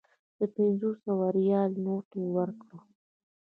د پنځو سوو ریالو نوټ یې ورکړ.